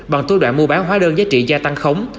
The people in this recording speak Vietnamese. bằng thu đoạn mua bán hoa đơn giá trị gia tăng khống